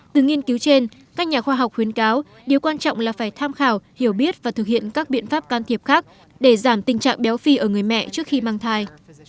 từ nghiên cứu trên các nhà khoa học khuyến cáo điều quan trọng là phải tham khảo hiểu biết và thực hiện các biện pháp can thiệp khác để giảm tình trạng béo phì ở người mẹ trước khi mang thai